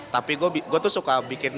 tapi gue tuh suka bikin